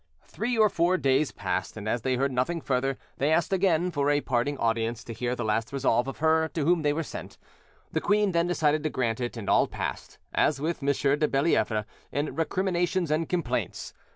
Three or four days passed, and as they heard nothing further, they asked again for a parting audience to hear the last resolve of her to whom they were sent: the queen then decided to grant it, and all passed, as with M. de Bellievre, in recriminations and complaints.